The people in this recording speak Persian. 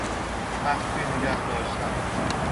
مخفی نگهداشتن